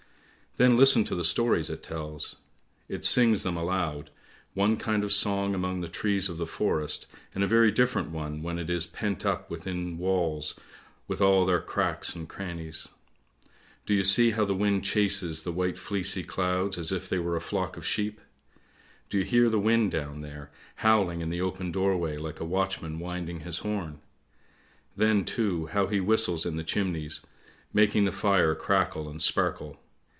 Then listen to the stories it tells ; it sings them aloud, one kind of song among the trees of the forest, and a very different one when it is pent up within walls with all their cracks and crannies. Do you see how the wind chases the white fleecy clouds as if they were a flock of sheep? Do you hear the wind down there, howling in the open doorway like a watchman winding his horn ? Then, too, how he whistles in the chimneys, making the fire crackle and sparkle.